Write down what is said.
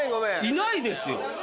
いないですよ。